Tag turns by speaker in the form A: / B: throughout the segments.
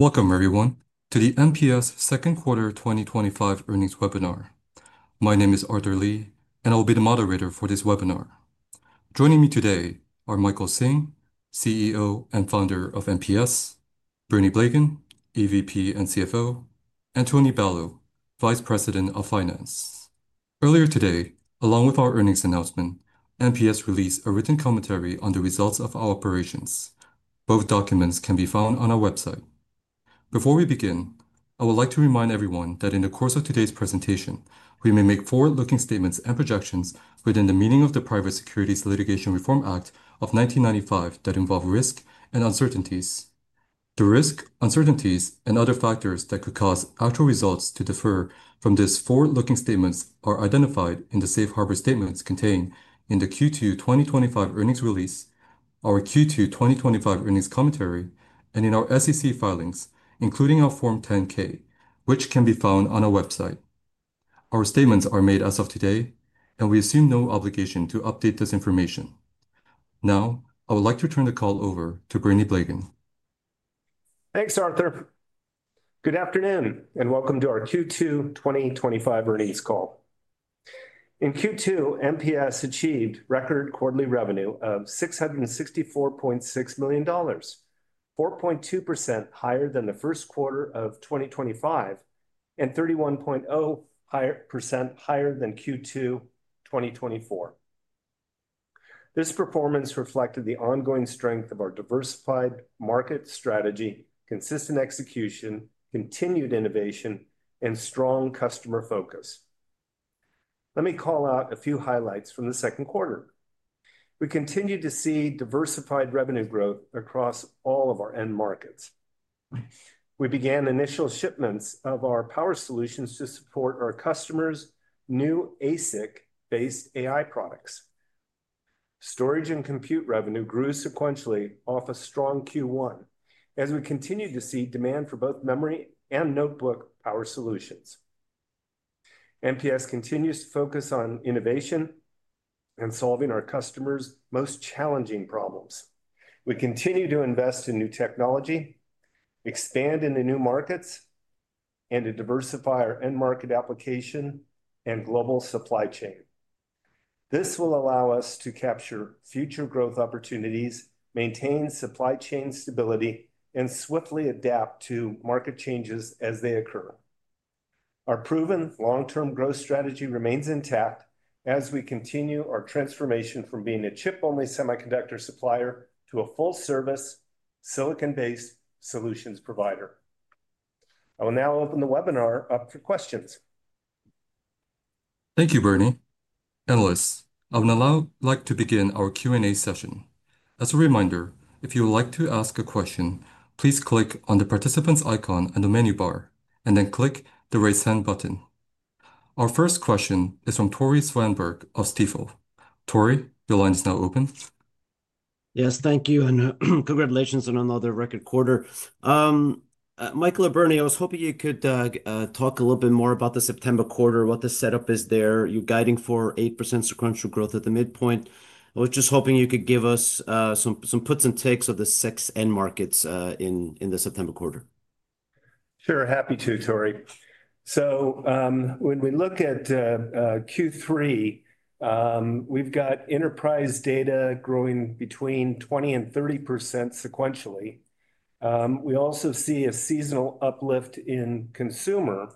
A: Welcome everyone to the MPS second quarter 2025 earnings webinar. My name is Arthur Lee and I will be the moderator for this webinar. Joining me today are Michael Hsing, CEO and Founder of MPS, Bernie Blegen, EVP and CFO, and Tony Balow, Vice President of Finance. Earlier today along with our earnings announcement, MPS released a written commentary on the results of our operations. Both documents can be found on our website. Before we begin, I would like to remind everyone that in the course of today's presentation we may make forward-looking statements and projections within the meaning of the Private Securities Litigation Reform Act of 1995 that involve risk and uncertainties. The risks, uncertainties, and other factors that could cause actual results to differ from these forward-looking statements are identified in the Safe Harbor statements contained in the Q2 2025 earnings release, our Q2 2025 earnings commentary, and in our SEC filings, including our Form 10-K which can be found on our website. Our statements are made as of today and we assume no obligation to update this information. Now I would like to turn the call over to Bernie Blegen.
B: Thanks Arthur. Good afternoon and welcome to our Q2 2025 earnings call. In Q2, MPS achieved record quarterly revenue of $664.6 million, 4.2% higher than the first quarter of 2025 and 31.0% higher than Q2 2024. This performance reflected the ongoing strength of our diversified market strategy, consistent execution, continued innovation, and strong customer focus. Let me call out a few highlights from the second quarter. We continue to see diversified revenue growth across all of our end markets. We began initial shipments of our power solutions to support our customers. New AI ASIC-based products, storage, and compute revenue grew sequentially off a strong Q1 as we continue to see demand for both memory solutions and notebook power solutions. MPS continues to focus on innovation and solving our customers' most challenging problems. We continue to invest in new technology, expand into new markets, and diversify our end market application and global supply chain. This will allow us to capture further future growth opportunities, maintain supply chain stability, and swiftly adapt to market changes as they occur. Our proven long-term growth strategy remains intact as we continue our transformation from being a chip-only semiconductor supplier to a full-service silicon-based solutions provider. I will now open the webinar up for questions.
A: Thank you Bernie and Analyst. I would now like to begin our Q&A session. As a reminder, if you would like to ask a question, please click on the participants icon in the menu bar and then click the raise hand button. Our first question is from Tore Svanberg of Stifel. Tore, your line is now open.
C: Yes, thank you. Congratulations on another record quarter. Michael, Bernie, I was hoping you could talk a little bit more about the September quarter. What the setup is there. You're guiding for 8% sequential growth at the midpoint. I was just hoping you could give us some puts and takes of the six end markets in the September quarter.
B: Sure. Happy to, Tore. When we look at Q3, we've got enterprise data growing between 20% and 30% sequentially. We also see a seasonal uplift in consumer,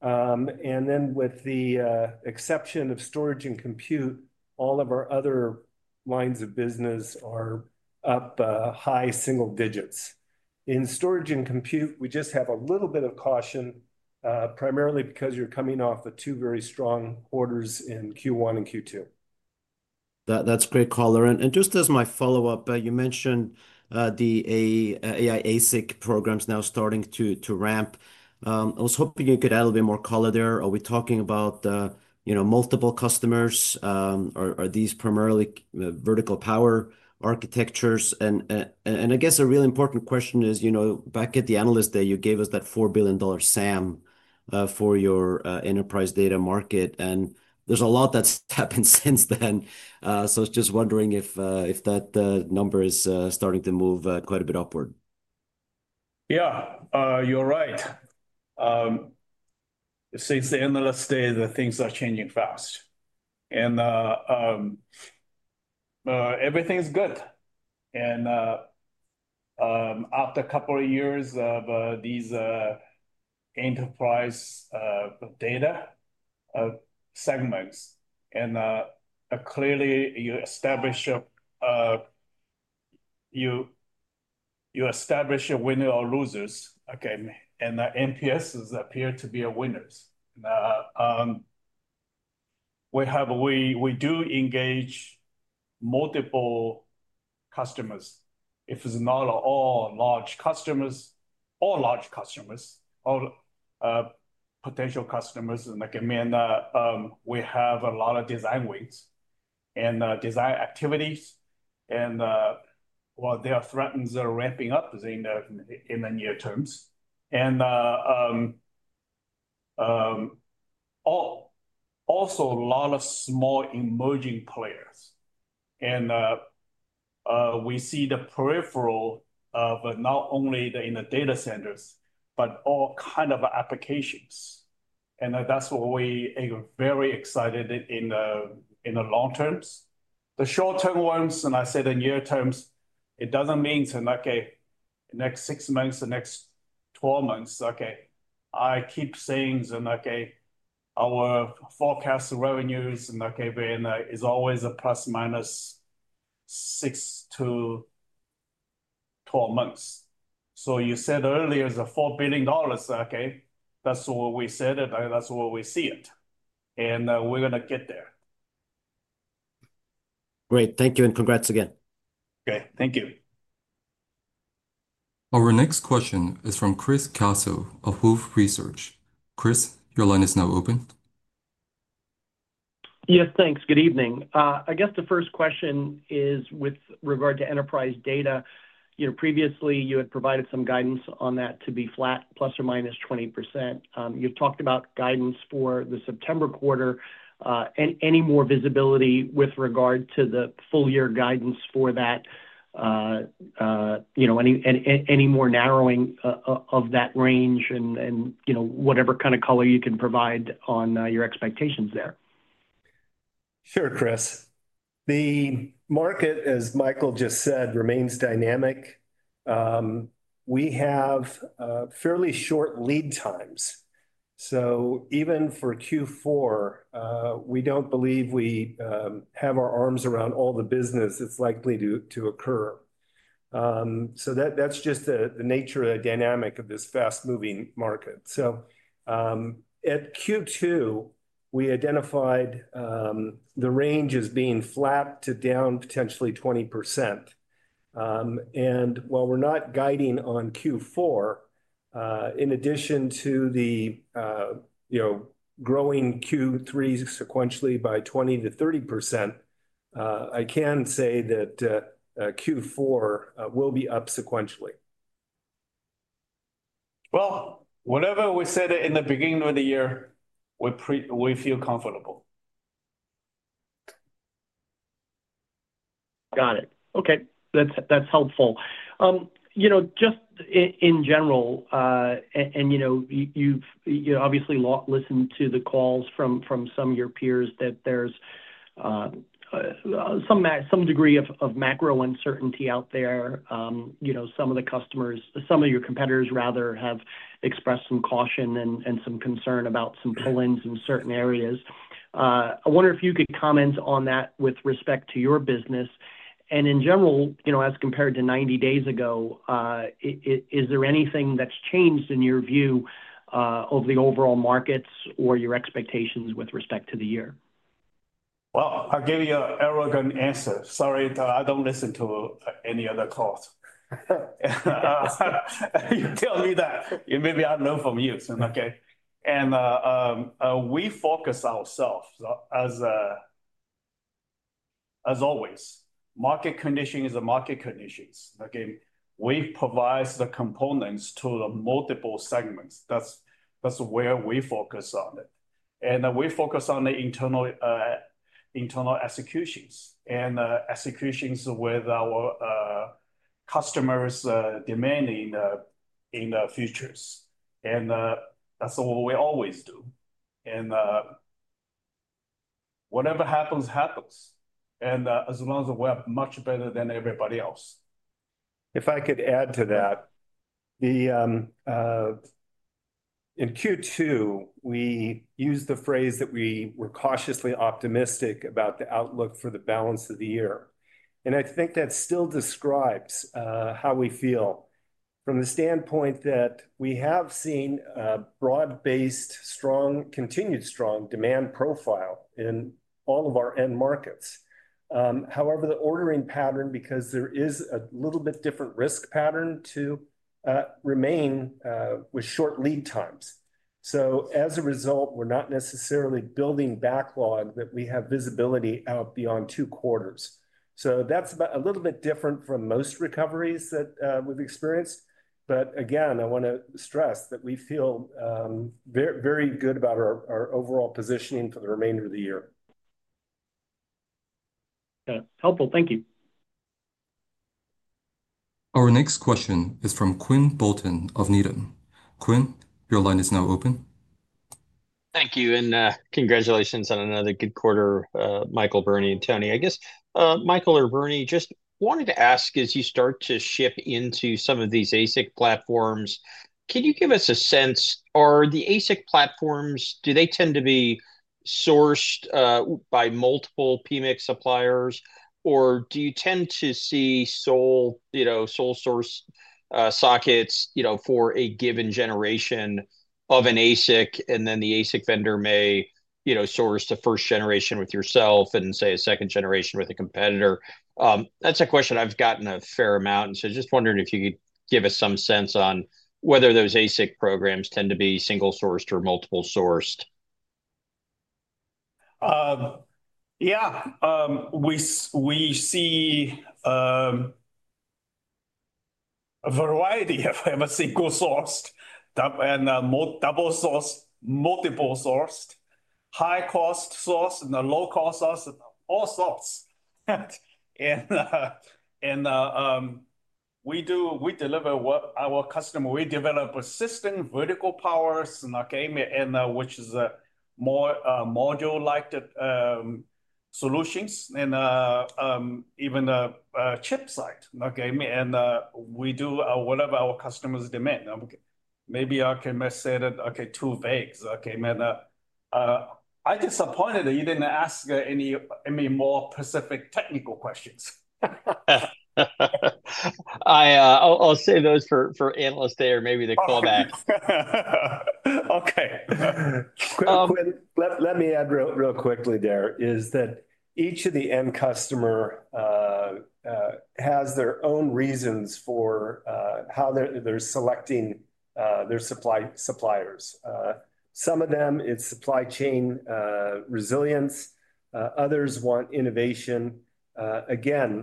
B: and with the exception of storage and compute, all of our other lines of business are up high single digits. In storage and compute, we just have a little bit of caution primarily because you're coming off of two very strong quarters in Q1 and Q2.
C: That's great, caller. Just as my follow up, you mentioned the AI ASIC-based products programs now starting to ramp up. I was hoping you could add a bit more color there. Are we talking about multiple customers? Are these primarily vertical power architectures? I guess a really important question is back at the Analyst Day, you gave us that $4 billion SAM for your enterprise data market and there's a lot that's happened since then. I was just wondering if that number is starting to move quite a bit upward.
D: Yeah, you're right. Since the Analyst Day, things are changing fast and everything's good. After a couple of years of these enterprise data segments, and clearly you establish a winner or losers, and the NPSS appear to be winners. We do engage multiple customers, if it's not all large customers or large customers or potential customers. Like Amanda, we have a lot of design weights and design activities, and while their threatens are ramping up in the near terms, and also a lot of small emerging players, and we see the peripheral of not only the, in the data centers but all kind of applications. That's what we very excited in the long terms, the short term ones. I said in year terms it doesn't mean, okay, next six months, the next 12 months. I keep saying, okay, our forecast revenues is always a ±6-12 months. You said earlier is a $4 billion. That's what we said. That's where we see it, and we're going to get there.
C: Great. Thank you and congrats again.
D: Okay, thank you.
A: Our next question is from Chris Caso of Wolfe Research. Chris, your line is now open.
E: Yes, thanks. Good evening. I guess the first question is with regard to enterprise data. Previously you had provided some guidance on that to be flat ±20%. You've talked about guidance for the September quarter and any more visibility with regard to the full year guidance for that. Any more narrowing of that range and whatever kind of color you can provide on your expectations there.
B: Sure, Chris. The market, as Michael just said, remains dynamic. We have fairly short lead times even for Q4. We don't believe we have our arms around all the business that's likely to occur. That's just the nature of the dynamic of this fast-moving market. At Q2, we identified the range as being flat to down potentially 20%. While we're not guiding on Q4, in addition to the, you know, growing Q3 sequentially by 20-30%, I can say that Q4 will be up sequentially.
D: Whatever we said in the beginning of the year, we feel comfortable.
E: Got it. Okay, that's helpful. Just in general, you've obviously listened to the calls from some of your peers that there's some degree of macro uncertainty out there. Some of the customers, some of your competitors rather, have expressed some caution and some concern about some pull ins in certain areas. I wonder if you could comment on that with respect to your business and in general as compared to 90 days ago. Is there anything that's changed in your view of the overall markets or your expectations with respect to the year?
D: I'll give you an arrogant answer. Sorry, I don't listen to any other cost. You tell me that maybe I know from you. We focus ourselves as always. Market condition is a market conditions. Again, we provide the components to the multiple segments. That's where we focus on it, and we focus on the internal executions and executions with our customers demanding in the futures. That's what we always do, and whatever happens, happens. As long as we're much better than everybody else.
F: If I could add to that. In. Q2 we used the phrase that we were cautiously optimistic about the outlook for the balance of the year. I think that still describes how we feel from the standpoint that we have seen broad-based, strong, continued strong demand profile in all of our end markets. However, the ordering pattern, because there is a little bit different risk pattern, remains with short lead times. As a result, we're not necessarily building backlog that we have visibility out beyond two quarters. That's a little bit different from most recoveries that we've experienced. I want to stress that we feel very good about our overall positioning for the remainder of the year.
E: Helpful. Thank you.
A: Our next question is from Quinn Bolton of Needham. Quinn, your line is now open.
G: Thank you. Congratulations on another good quarter, Michael, Bernie, and Tony. I guess, Michael or Bernie, just wanted to ask, as you start to ship into some of these ASIC platforms, can you give us a sense, are the ASIC platforms, do they tend to be sourced by multiple PMIC suppliers, or do you tend to see sole, you know, sole source sockets for a given generation of an ASIC, and then the ASIC vendor may source the first generation with yourself and, say, a second generation with a competitor? That's a question I've gotten a fair amount, and just wondering if you could give us some sense on whether those ASIC programs tend to be single sourced or multiple sourced.
D: Yeah, we see a variety of single-sourced and double-sourced, multiple-sourced, high-cost source and the low-cost source, all source. We deliver what our customer, we develop assisting vertical power, which is more module-like solutions and even a chip site, and we do whatever our customers demand. Maybe I can say that. Okay, too vague. Okay. I disappointed that you didn't ask any more specific technical questions.
G: I'll save those for Analyst Day or maybe the callback.
B: Let me add real quickly, each of the end customers has their own reasons for how they're selecting their suppliers. Some of them, it's supply chain resilience, others want innovation.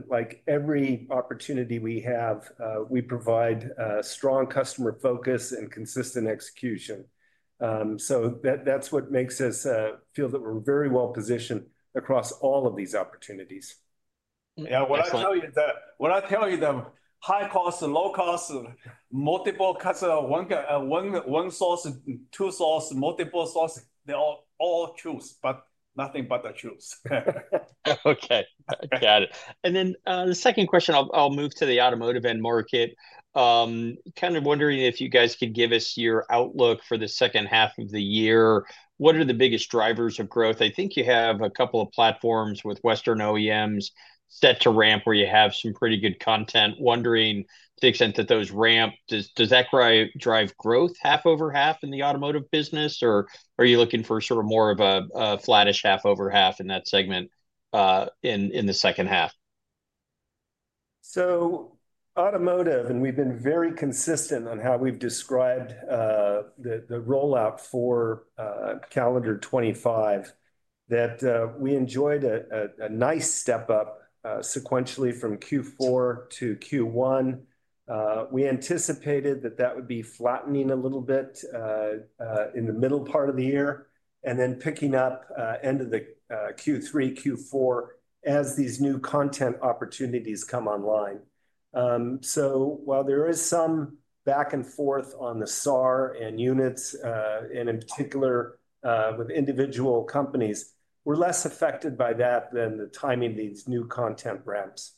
B: Like every opportunity we have, we provide strong customer focus and consistent execution. That's what makes us feel that we're very well positioned across all of these opportunities. Yeah.
D: What I tell you, them high cost, low cost, multiple customer, one, one, one source, two source, multiple sources, they all source nothing but the truth.
G: Okay, got it. The second question, I'll move to the automotive end market. Kind of wondering if you guys could give us your outlook for the second half of the year. What are the biggest drivers of growth? I think you have a couple of platforms with Western OEMs set to ramp where you have some pretty good content. Wondering the extent that those ramp, does that drive growth half-over-half in the automotive business, or are you looking for sort of more of a flattish half-over-half in that segment in the second half.
B: Automotive. We've been very consistent on how we've described the rollout for calendar 2025. We enjoyed a nice step up sequentially from Q4-Q1. We anticipated that would be flattening a little bit in the middle part of the year and then picking up end of Q3 and Q4 as these new content opportunities come online. While there is some back and forth on the SAR and units, and in particular with individual companies, we're less affected by that than the timing of these new content ramps.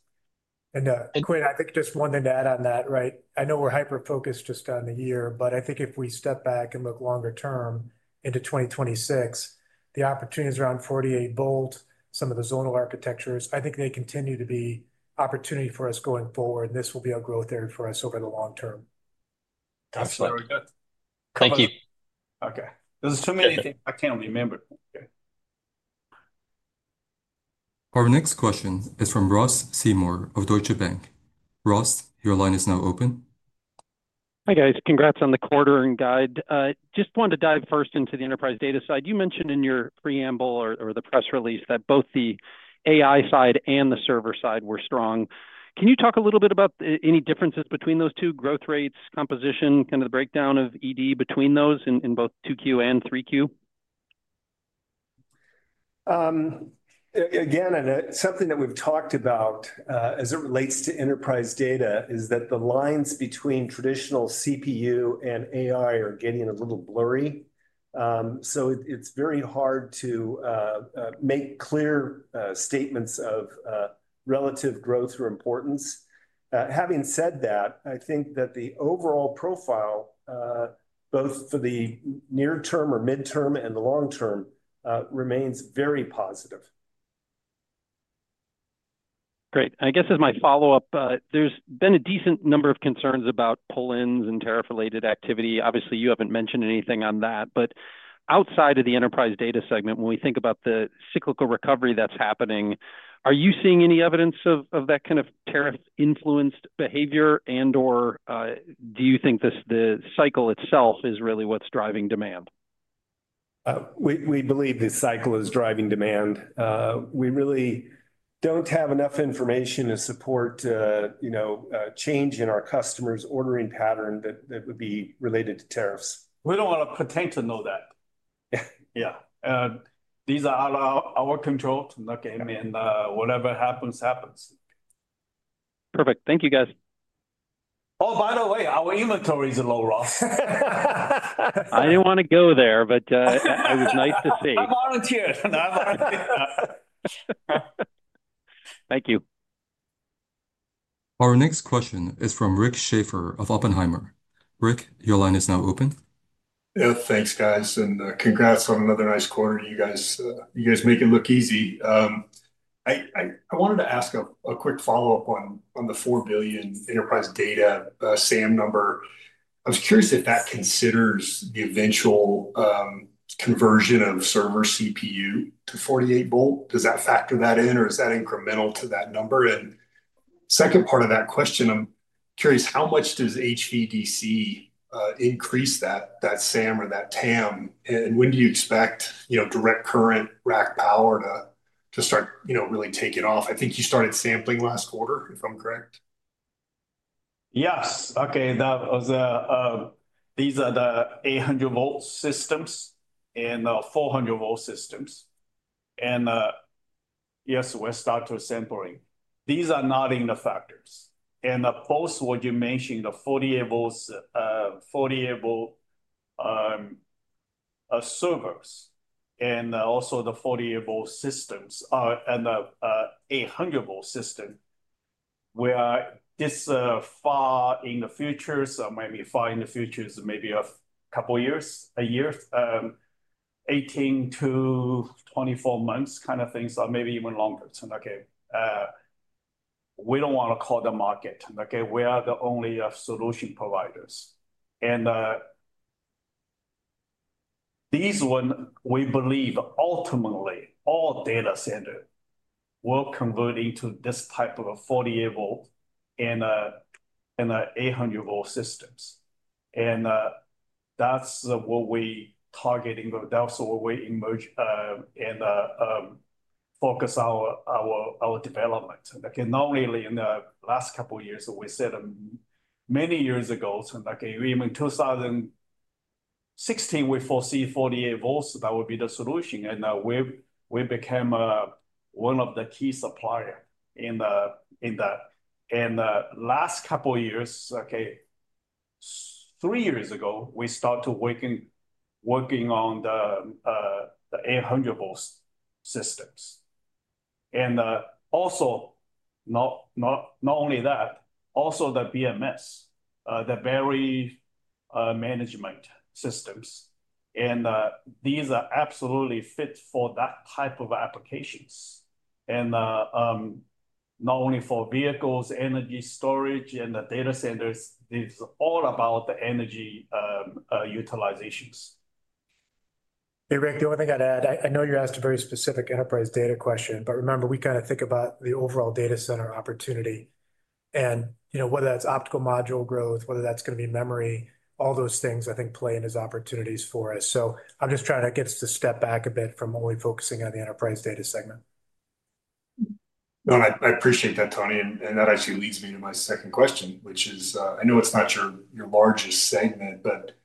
F: Quinn, I think just one thing to add on that, right. I know we're hyper focused just on the year, but I think if we step back and look longer term into 2026, the opportunities around 48V, some of the zonal architectures, I think they continue to be opportunity for us going forward, and this will be a growth area for us over the long term.
G: Thank you.
D: Okay, there are too many things I can't remember.
A: Our next question is from Ross Seymore of Deutsche Bank. Ross, your line is now open.
H: Hi guys. Congrats on the quarter and guide. Just wanted to dive first into the enterprise data side. You mentioned in your preamble or the press release that both the AI side and the server side were strong. Can you talk a little bit about any differences between those two growth rates, composition, kind of the breakdown of EDM between those in both 2Q and 3Q.
B: Again, something that we've talked about as it relates to enterprise data is that the lines between traditional CPU and AI are getting a little blurry. It's very hard to make clear statements of relative growth or importance. Having said that, I think that the overall profile both for the near term or midterm and the long term remains very positive.
H: Great. I guess as my follow up there's been a decent number of concerns about pull ins and tariff related activity. Obviously you haven't mentioned anything on that, but outside of the enterprise data segment, when we think about the cyclical recovery that's happening, are you seeing any evidence of that kind of tariff influenced behavior, and or do you think this, the cycle itself is really what's driving demand?
B: We believe this cycle is driving demand. We really don't have enough information to support a change in our customers' ordering pattern that would be related to tariffs.
D: We don't want to pretend to know that. These are our control, and whatever happens, happens.
H: Perfect. Thank you, guys.
D: Oh, by the way, our inventory is low. Ross.
H: I didn't want to go there, but. It was nice to see. Thank you.
A: Our next question is from Rick Schafer of Oppenheimer. Rick, your line is now open.
I: Yeah, thanks guys. Congrats on another nice quarter. You guys make it look easy. I wanted to ask a quick follow-up on the $4 billion enterprise data SAM number. I was curious if that considers the eventual conversion of server CPU to 48V, does that factor that in or is that incremental to that number? Second part of that question, I'm curious how much does HVDC increase that SAM or that TAM? When do you expect direct current rack power to start to really take off? I think you started sampling last quarter if I'm correct.
D: Yes. Okay, that was a. These are the 800V systems and 400V systems, and yes, we'll start to sampling. These are not in the factors, and both what you mentioned, the 48V, 48V servers, and also the 48V systems and 800V system where this far in the future. Maybe far in the future is maybe a couple years, a year, 18-24 months kind of things, or maybe even longer. Okay, we don't want to call the market. We are the only solution providers, and these one we believe ultimately all data center will convert into this type of a 48V and 800V systems. That's what we targeting. That's what we emerge and focus our development. Not really in the last couple years, we said many years ago, even 2016, we foresee 48V that would be the solution, and we became one of the key supplier in last couple years. Three years ago, we started working on the 800V systems, and also not only that, also the BMS, the Battery Management Systems, and these are absolutely fit for that type of applications and not only for vehicles, energy storage, and the data centers. This is all about the energy utilizations.
F: Hey Rick, the only thing I'd add, I know you asked a very specific enterprise data question, but remember we kind of think about the overall data center opportunity, and you know, whether that's optical module growth, whether that's going to be memory. All those things, I think, play in as opportunities for us. I'm just trying to get us to step back a bit from only focusing on the enterprise data segment.
I: I appreciate that, Tony. That actually leads me to my second question, which is I know it's not your largest segment, but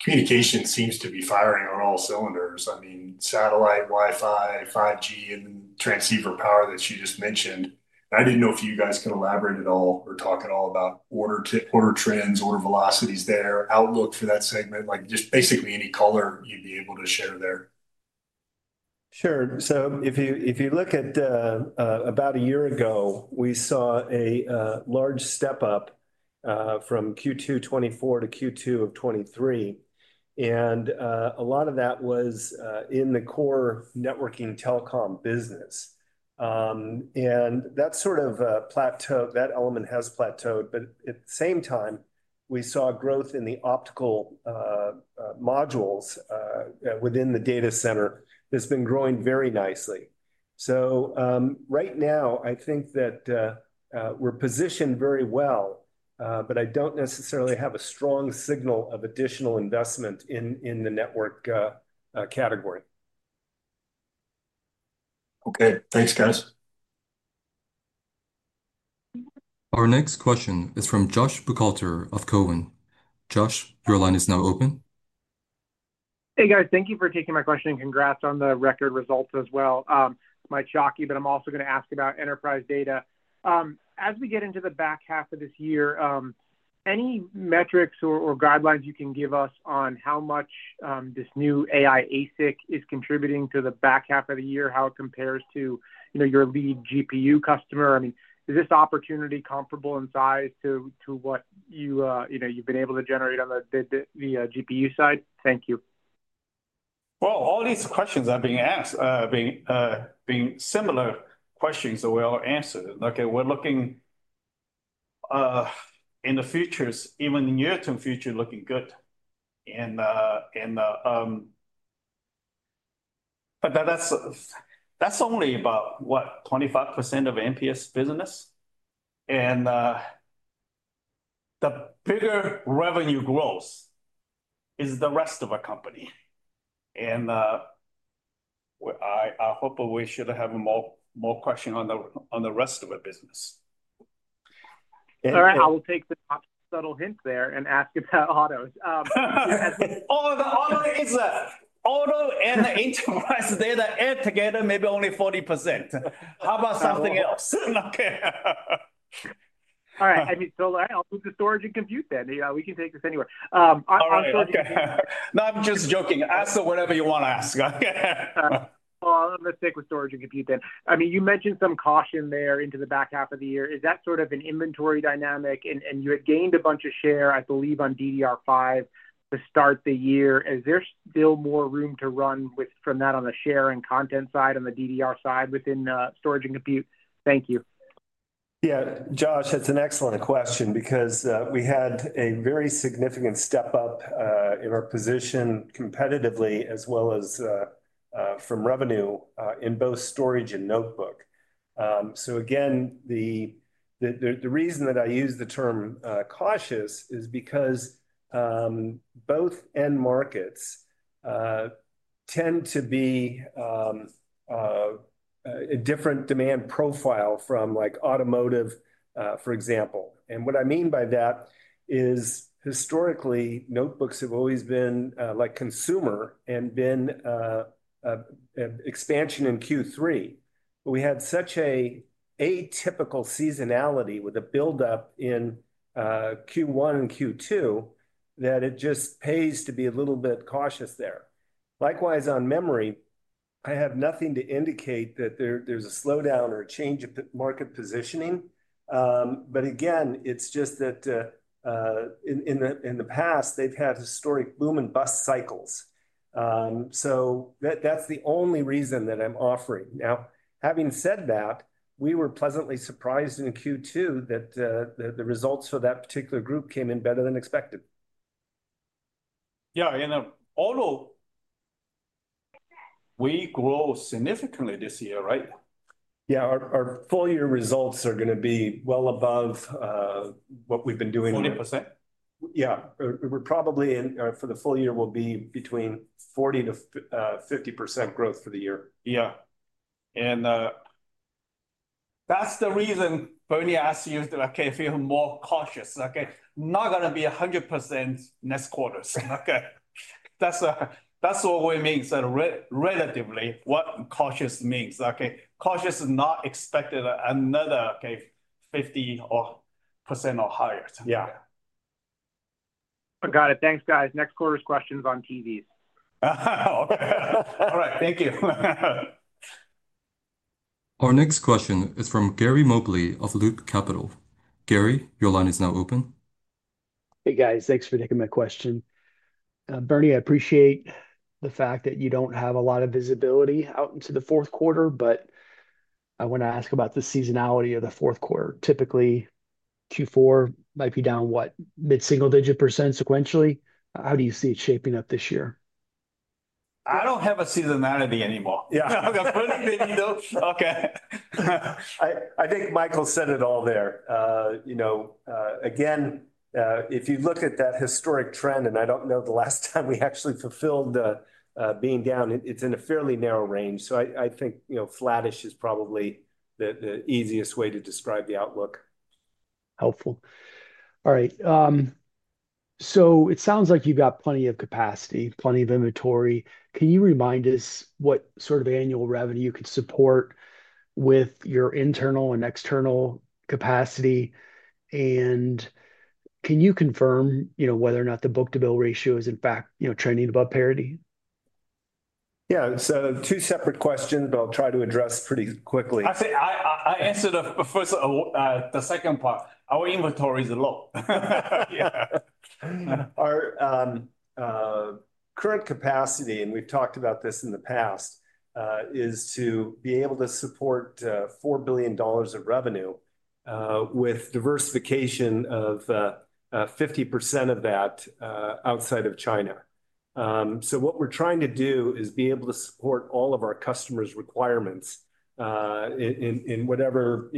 I: communication seems to be firing on all cylinders. I mean satellite, Wi-Fi, 5G, and transceiver power that you just mentioned. I didn't know if you guys could elaborate at all or talk at all about order-to-order trends, order velocities there, outlook for that segment, like just basically any color you'd be able to share there.
B: If you look at about a year ago, we saw a large step up from Q2 2023-Q2 2024. A lot of that was in the core networking telecom business. That element has plateaued. At the same time, we saw growth in the optical modules within the data center. That's been growing very nicely. Right now I think that we're positioned very well, but I don't necessarily have a strong signal of additional investment in the network category.
I: Okay, thanks guys.
A: Our next question is from Josh Buchalter of Cowen. Josh, your line is now open.
J: Hey guys, thank you for taking my question and congrats on the record results as well. My shock, but I'm also going to ask about enterprise data as we get into the back half of this year. Any metrics or guidelines you can give us on how much this new AI ASIC is contributing to the back half of the year, how it compares to, you know, your lead GPU customer. I mean, is this opportunity comparable in size to what you, you know, you've been able to generate on the GPU side? Thank you.
D: All these questions are being asked being similar questions that we all answered. Okay, we're looking in the futures, even the near term future looking good. That's only about what, 25% of MPS business. The bigger revenue growth is the rest of the company. I hope we should have more question on the rest of the business.
J: I will take the subtle hint there and ask about auto.
D: Is auto and the enterprise data add together maybe only 40%. How about something else?
J: All right. I mean, storage and compute, then we can take this anywhere. No, I'm just joking. Ask whatever you want to ask. I'm going to stick with storage and compute then. You mentioned some caution there into the back half of the year, is that sort of an inventory dynamic? You had gained a bunch of share, I believe on DDR5 to start the year. Is there still more room to run with from that on the share and content side on the DDR side within storage and compute? Thank you.
B: Yeah, Josh, that's an excellent question because we had a very significant step up in our position competitively as well as from revenue in both storage and notebook. The reason that I use the term cautious is because both end markets tend to be a different demand profile from like automotive, for example. What I mean by that is historically notebooks have always been like Consumer. And been. Expansion in Q3. We had such an atypical seasonality with a buildup in Q1 and Q2 that it just pays to be a little bit cautious there. Likewise on memory, I have nothing to indicate that there's a slowdown or change of market positioning. Again, it's just that in the past they've had historic boom and bust cycles. That's the only reason that I'm offering now. Having said that, we were pleasantly surprised in Q2 that the results for that particular group came in better than expected. Yeah.
D: You know we grow significantly this year, right?
B: Yeah. Our full year results are going to be well above what we've been doing. We're probably in for the full year will be between 40%-50% growth for the year.
D: Yeah, that's the reason Bernie asked you. Okay. If you're more cautious, okay, not going to be 100% next quarters. Okay. That's what we mean. Relatively, what cautious means, okay, cautious is not expected another 50% or higher.
B: Yeah.
J: Got it. Thanks, guys. Next quarter's questions on TVs.
F: Okay.
D: All right, thank you.
A: Our next question is from Gary Mobley of Loop Capital. Gary, your line is now open.
K: Hey guys, thanks for taking my question. Bernie, I appreciate the fact that you don't have a lot of visibility out into the fourth quarter, but I want to ask about the seasonality of the fourth quarter. Typically Q4 might be down, what, mid single digit % sequentially. How do you see it shaping up this year?
D: I don't have a seasonality anymore. Yeah, okay.
B: I think Michael said it all there. If you look at that historic trend and I don't know the last time we actually fulfilled being down, it's in a fairly narrow range. I think flattish is probably the easiest way to describe the outlook. Helpful.
K: All right, it sounds like you've got plenty of capacity, plenty of inventory. Can you remind us what sort of annual revenue you could support with your internal and external capacity? Can you confirm whether or not the book to bill ratio is in fact trending above parity?
B: Yeah. Two separate questions, but I'll try to address pretty quickly.
D: I'll answer the second part, our inventory is low. Our current capacity, and we've talked about this in the past, is to be able to support $4 billion of revenue with diversification of 50% of that outside of China. What we're trying to do is be able to support all of our customers' requirements in whatever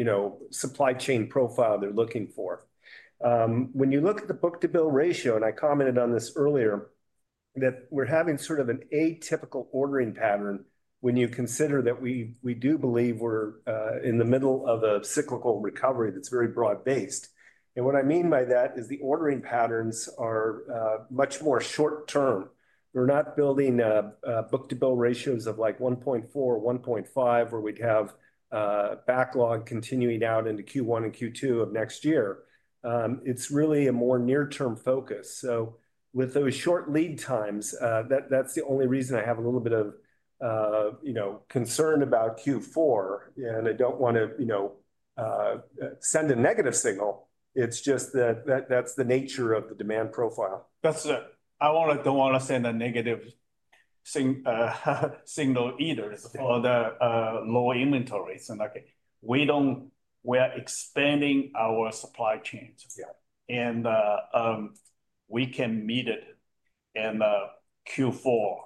D: supply chain profile they're looking for. When you look at the book-to-bill ratio, I commented on this earlier that we're having sort of an atypical ordering pattern. When you consider that we do believe we're in the middle of a cyclical recovery that's very broad-based, what I mean by that is the ordering patterns are much more short-term. We're not building book-to-bill ratios of like 1.4/1.5 where we'd have backlog continuing out into Q1 and Q2 of next year. It's really a more near-term focus. With those short lead times, that's the only reason I have a little bit of concern about Q4 and I don't want to send a negative signal. It's just that that's the nature of the demand profile. That's it. I don't want to send a negative signal or the low inventories. We are expanding our supply chains and we can meet it in Q4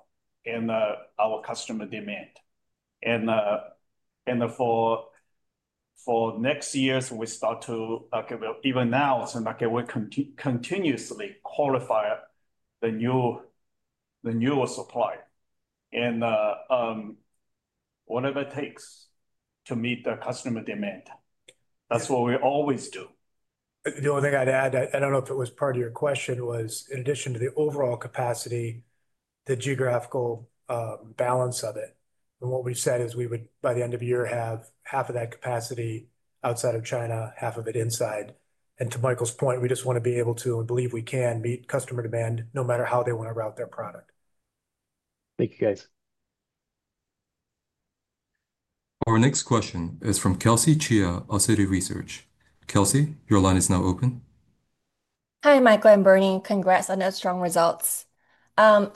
D: in our customer demand. For next year, we start to, even now we continuously qualify the newer supplier and whatever it takes to meet the customer demand, that's what we always do.
F: The only thing I'd add, I don't know if it was part of your question, was in addition to the overall capacity, the geographical balance of it, and what we've said is we would by the end of the year have half of that capacity outside of China, half of it inside. To Michael's point, we just want to be able to and believe we can meet customer demand no matter how they want to route their product.
K: Thank you, guys.
A: Our next question is from Kelsey Chia of Citi Research. Kelsey, your line is now open.
L: Hi Michael and Bernie. Congrats on your strong results. I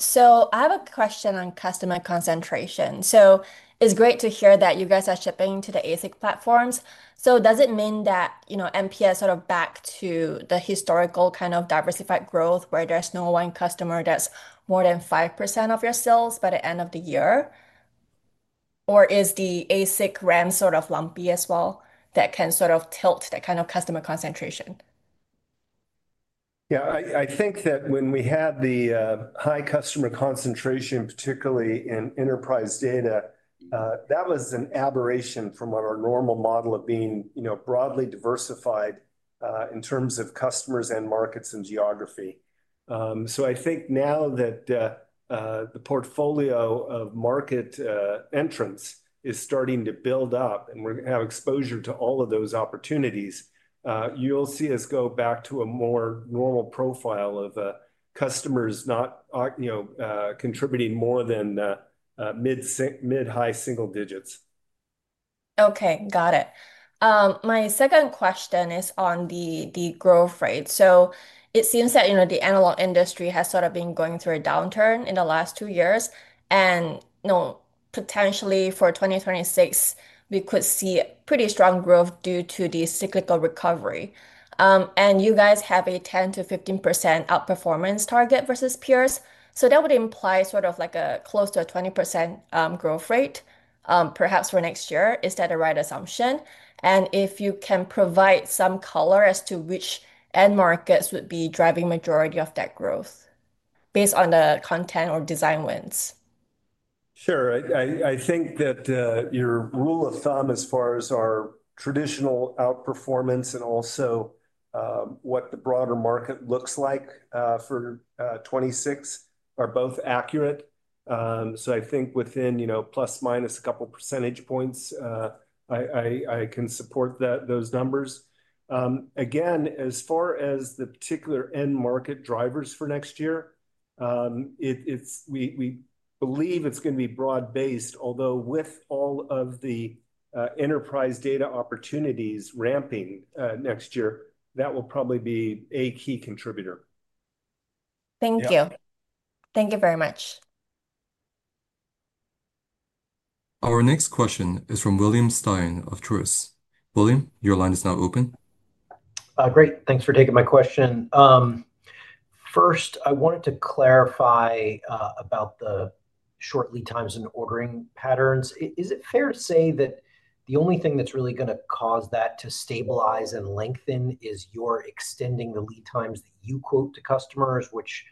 L: have a question on customer concentration. It's great to hear that you guys are shipping to the ASIC platforms. Does it mean that MPS is sort of back to the historical kind of diversified growth where there's no one customer that's more than 5% of your sales by the end of the year, or is the ASIC ramp sort of lumpy as well that can tilt that kind of customer concentration?
B: Yeah, I think that when we had the high customer concentration, particularly in enterprise data, that was an aberration from our normal model of being broadly diversified in terms of customers and markets and geography. I think now that the portfolio of market entrants is starting to build up and we're going to have exposure to all of those opportunities. You'll see us go back to a more normal profile of customers, not contributing more than mid, mid high single digits.
L: Okay, got it. My second question is on the growth rate. It seems that the analog industry has sort of been going through a downturn in the last two years and potentially for 2026 we could see pretty strong growth due to the cyclical recovery. You guys have a 10%-15% outperformance target versus PE peers. That would imply sort of like a close to a 20% growth rate perhaps for next year. Is that the right assumption? If you can provide some color as to which end markets would be driving majority of that growth based on the content or design wins.
B: Sure. I think that your rule of thumb as far as our traditional outperformance and also what the broader market looks like for 2026 are both accurate. I think within, you know, plus minus a couple percentage points, I can support that those numbers again. As far as the particular end market drivers for next year, we believe it's going to be broad based. Although with all of the enterprise data opportunities ramping next year, that will probably be a key contributor.
L: Thank you. Thank you very much.
A: Our next question is from William Stein of Truist. William, your line is now open.
M: Great. Thanks for taking my question. First, I wanted to clarify about the short lead times and ordering patterns. Is it fair to say that the only thing that's really going to cause that to stabilize and lengthen is your extending the lead times that you quote to customers, which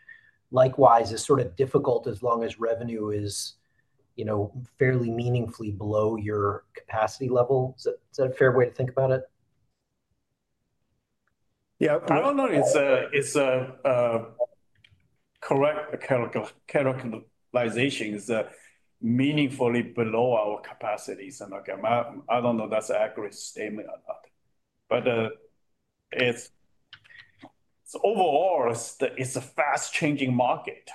M: likewise is sort of difficult as long as revenue is, you know, fairly meaningfully below your capacity level. Is that a fair way to think about it?
D: I don't know. It's correct. Characterization is meaningfully below our capacities, and I don't know that's an accurate statement or not, but overall it's a fast changing market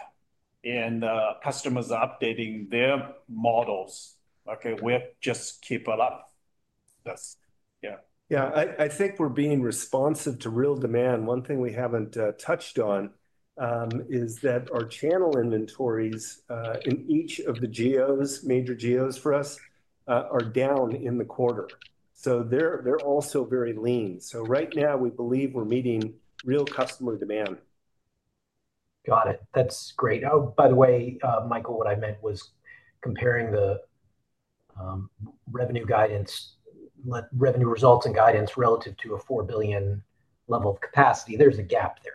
D: and customers updating their models. Okay, we just keep it up.
B: Yeah, I think we're being responsive to real demand. One thing we haven't touched on is that our channel inventories in each of the GEOs, major GEOs for us, are down in the quarter. They're also very lean. Right now we believe we're meeting real customer demand. Got it.
M: That's great. By the way, Michael, what I meant was comparing the revenue guidance, revenue results, and guidance relative to a $4 billion level of capacity, there's a gap there.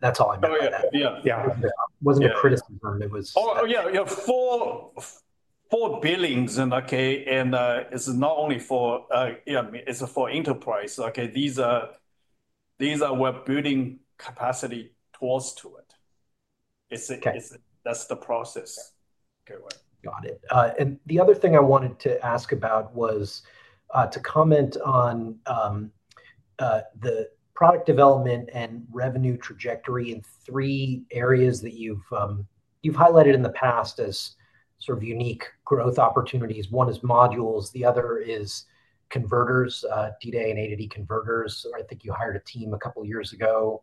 M: That's all I meant. Wasn't a criticism.
D: It was, oh yeah, for billings and okay. It's not only for, it's for enterprise. We're building capacity towards it. That's the process.
M: Got it. The other thing I wanted to ask about was to comment on the product development and revenue trajectory in three areas that you've highlighted in the past as sort of unique growth opportunities. One is modules, the other is converters, D-A and A-D converters. I think you hired a team a couple years ago.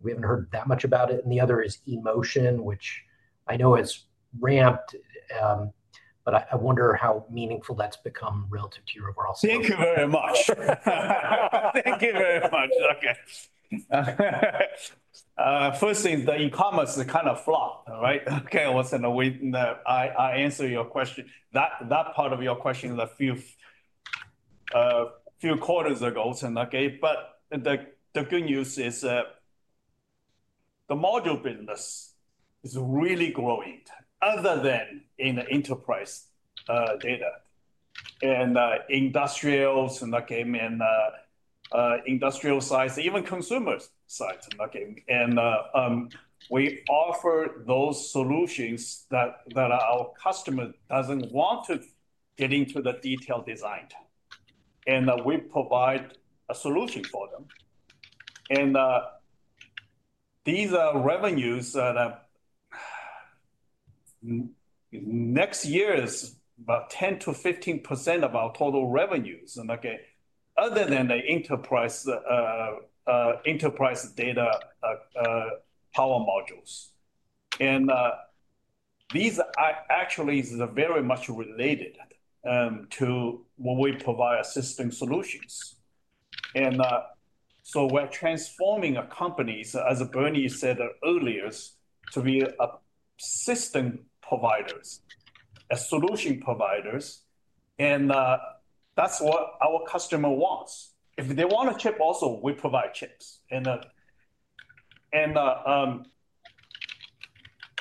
M: We haven't heard that much about it. The other is motion, which I know has ramped up, but I wonder how meaningful that's become relative to your overall.
D: Thank you very much. Thank you very much. First thing, the e-commerce is kind of flopped, right? I answered your question, that part of your question, a few quarters ago. The good news is the module business is really growing, other than in the enterprise data and industrials, and again industrial sides, even consumer's sides. We offer those solutions that our customer doesn't want to get into the detailed design, and we provide a solution for them. These revenues next year are about 10%-15% of our total revenues, other than the enterprise data power modules. These actually are very much related to when we provide assisting solutions. We're transforming a company, as Bernie said earlier, to be system providers, as solution providers. That's what our customer wants. If they want a chip, also we provide chips.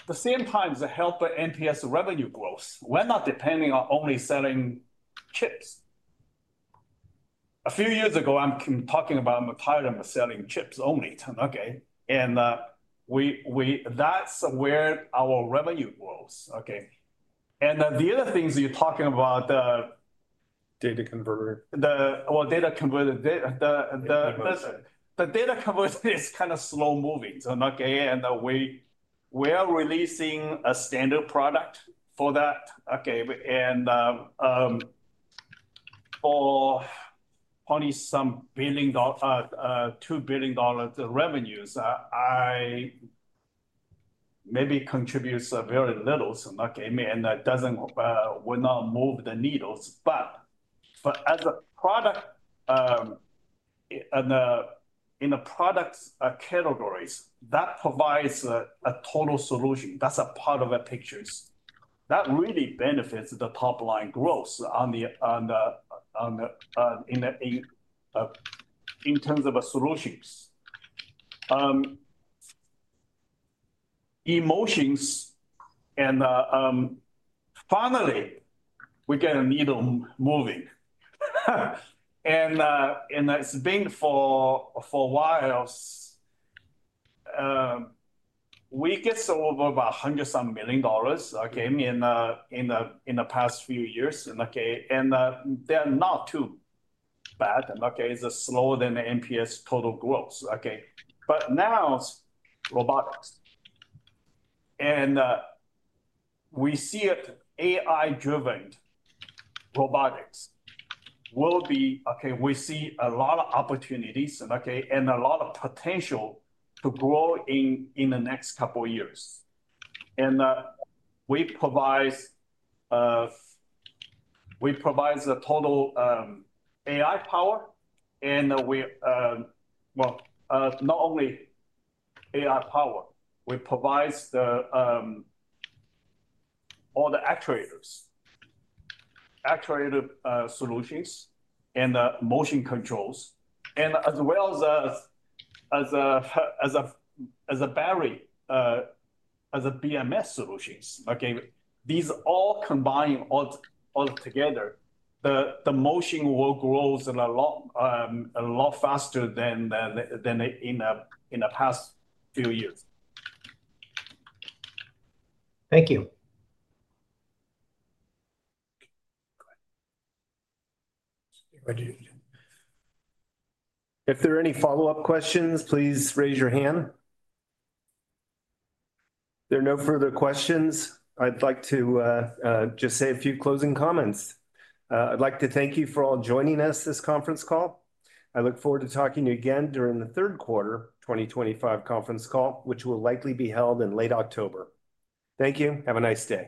D: The same. Time to help MPS revenue growth. We're not depending on only selling chips. A few years ago, I'm talking about Thailand selling chips only, okay, and that's where our revenue grows. The other things you're talking about, data converter. The data converter is kind of slow moving, okay, and we are releasing a standard product for that, okay, and for only some $2 billion of revenues. I. Maybe contributes very little and that doesn't, will not move the needles. As a product and in the product categories that provides a total solution, that's a part of a picture that really benefits the top line growth in terms of solutions, emotions. Finally, we get a needle moving and it's been for a while. We get over about $100 million some in the past few years and they are not too bad. It's slower than the MPS total growth. Now robotics, and we see it, AI-driven robotics will be okay. We see a lot of opportunities and a lot of potential to grow in the next couple of years. We. Provide the total AI power and. Not. Only AI power, we provide all the actuators, actuator solutions and motion controls, as well as battery, BMS solutions. These all combine all together. The motion will grow a lot faster than in the past few years.
M: Thank you.
B: If there are any follow up questions, please raise your hand. There are no further questions. I'd like to just say a few closing comments. I'd like to thank you for all joining us this conference call. I look forward to talking again during the third quarter 2025 conference call, which will likely be held in late October. Thank you. Have a nice day.